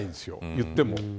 言っても。